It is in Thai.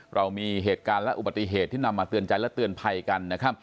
เรามีเหตุการณ์และอุบัติเหตุที่นำมาเตือนใจและเตือนภัยกันนะครับ